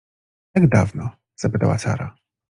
— Jak dawno? — zapytała Sara.